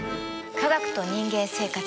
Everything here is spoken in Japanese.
「科学と人間生活」